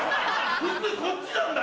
普通こっちなんだよ！